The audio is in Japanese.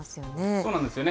そうなんですよね。